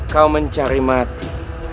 kau mencari mati